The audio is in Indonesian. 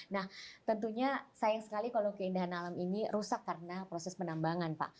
nah tentunya sayang sekali kalau keindahan alam ini rusak karena proses penambangan pak